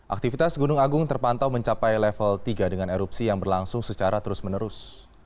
aktivitas gunung agung terpantau mencapai level tiga dengan erupsi yang berlangsung secara terus menerus